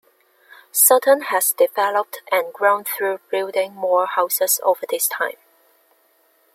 Sutton has developed and grown through building more houses over this time.